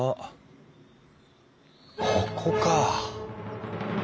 ここか。